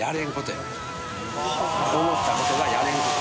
呂繊思ったことがやれんこと。